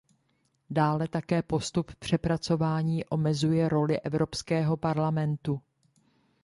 Dále také postup přepracování omezuje roli Evropského parlamentu.